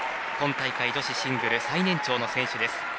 今大会、女子シングル最年長の選手です。